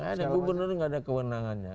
ini gubernur nggak ada kewenangannya